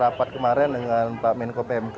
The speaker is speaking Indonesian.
rapat kemarin dengan pak menko pmk